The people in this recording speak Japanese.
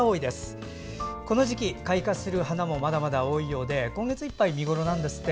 この時期、開花する花もまだまだ多いようで今月いっぱい見頃なんですって。